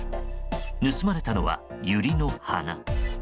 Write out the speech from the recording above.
盗まれたのはユリの花。